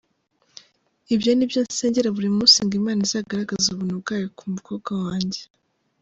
Ibyo ni byo nsengera buri munsi ngo Imana izagargaze Ubuntu bwayo ku mukobwa wanjye.